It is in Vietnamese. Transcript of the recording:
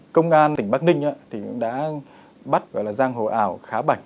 công an tỉnh bắc ninh thì cũng đã bắt gọi là giang hồ ảo khá bảnh